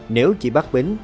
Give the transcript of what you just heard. nếu chỉ bắt bính